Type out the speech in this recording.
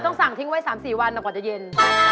ต้องสั่งทิ้งไว้สามสี่วันก่อนจะเย็น